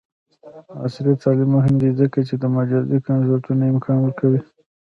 عصري تعلیم مهم دی ځکه چې د مجازی کنسرټونو امکان ورکوي.